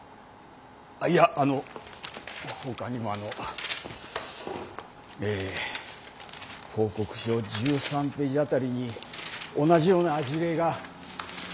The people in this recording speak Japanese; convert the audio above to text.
いやあのほかにもあの報告書１３ページ辺りに同じような事例が７か所ほど。